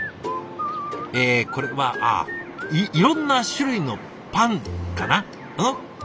えこれはいろんな種類のパンかな？